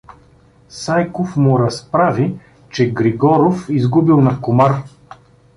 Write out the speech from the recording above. Сайков му разправи, че Григоров изгубил на комар.